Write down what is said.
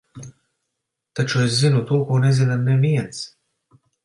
Taču es zinu to, ko nezina neviens.